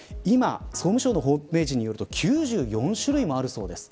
総務省のホームページによると９４種類もあるそうです。